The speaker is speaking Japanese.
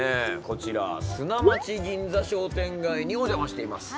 こちら砂町銀座商店街にお邪魔しています。